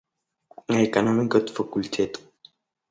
Аекономикатә факультет.